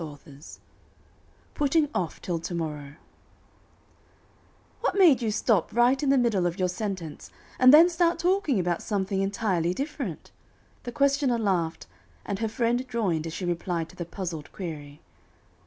PUTTING OFF TILL TO MORROW "What made you stop right in the middle of your sentence, and then start talking about something entirely different?" The questioner laughed, and her friend joined as she replied to the puzzled query.